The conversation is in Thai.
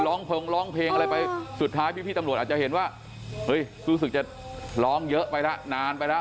เพลิงร้องเพลงอะไรไปสุดท้ายพี่ตำรวจอาจจะเห็นว่าเฮ้ยรู้สึกจะร้องเยอะไปแล้วนานไปแล้ว